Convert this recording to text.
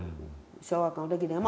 小学校の時でも。